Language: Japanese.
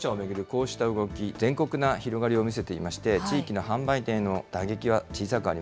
こうした動き、全国的な広がりを見せていまして、地域の販売店への打撃は小さくあ